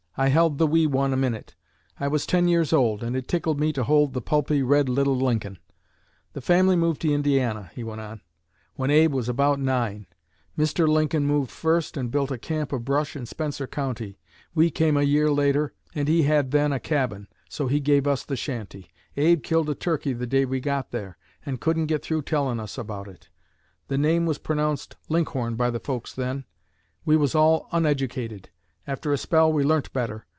I held the wee one a minute. I was ten years old, and it tickled me to hold the pulpy, red little Lincoln. The family moved to Indiana," he went on, "when Abe was about nine. Mr. Lincoln moved first, and built a camp of brush in Spencer County. We came a year later, and he had then a cabin. So he gave us the shanty. Abe killed a turkey the day we got there, and couldn't get through tellin' about it. The name was pronounced Linkhorn by the folks then. We was all uneducated. After a spell we learnt better.